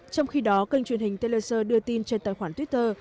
trong khi đó kênh truyền hình telecer đưa tin trên tài khoản twitter